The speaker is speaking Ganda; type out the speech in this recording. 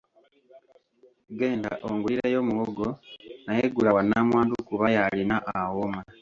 Genda ongulireyo muwogo naye gula wa Nnamwandu kuba y'alina awooma.